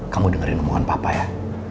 kamu dengerin omongan papa ya